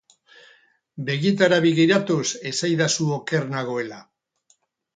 Begietara begiratuz esaidazu oker nagoela.